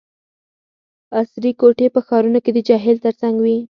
عصري کوټي په ښارونو کې د جهیل ترڅنګ وي